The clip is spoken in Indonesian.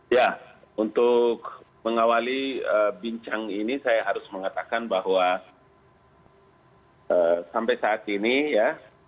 ya untuk mengawali bincang ini saya harus mengatakan bahwa sampai saat ini ya